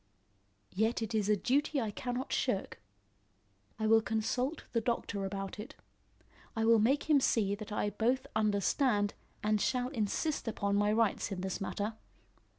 "Yet it is a duty I cannot shirk. I will consult the doctor about it. I will make him see that I both understand and shall insist upon my rights in this matter.